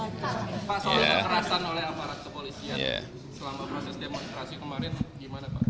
pak soal kekerasan oleh aparat kepolisian selama proses demonstrasi kemarin gimana pak